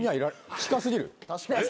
近過ぎる。